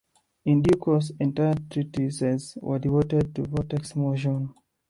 In due course entire treatises were devoted to vortex motion.